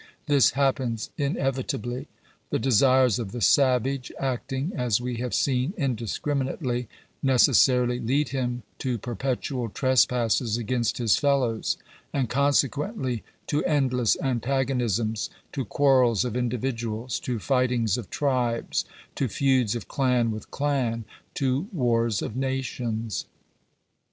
This happens inevitably. The desires of the savage acting, as we have seen, indiscriminately, necessarily lead him to perpetual trespasses against his fellows, and, consequently, to endless antagonisms — to quarrels of individuals, to fightings of tribes, to feuds of clan with clan, to wars of nations.